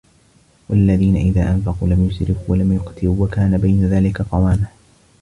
وَالَّذينَ إِذا أَنفَقوا لَم يُسرِفوا وَلَم يَقتُروا وَكانَ بَينَ ذلِكَ قَوامًا